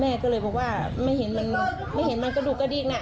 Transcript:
แม่ก็เลยบอกว่าไม่เห็นมันก็ดูก็ดีนะ